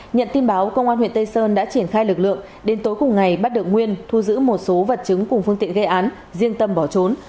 nhận tin báo công an huyện tây sơn đã triển khai lực lượng đến tối cùng ngày bắt được nguyên thu giữ một số vật chứng cùng phương tiện gây án riêng tâm bỏ trốn